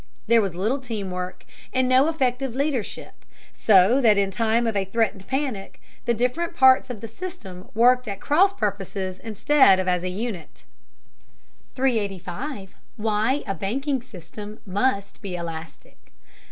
There was little team work, and no effective leadership, so that in time of a threatened panic the different parts of the "system" worked at cross purposes instead of as a unit. 385. WHY A BANKING SYSTEM MUST BE ELASTIC.